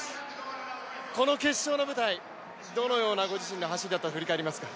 この決勝の舞台、どのようなご自身の走りだと振り返りますか？